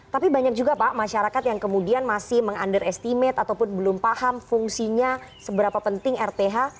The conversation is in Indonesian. tapi banyak juga pak masyarakat yang kemudian masih meng under estimate ataupun belum paham fungsinya seberapa penting rth